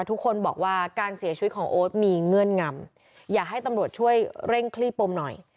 ทุกคนบอกว่าการเสียชีวิตของโอ๊ตมีเงื่อนงำอยากให้ตำรวจช่วยเร่งคลี่ปมหน่อย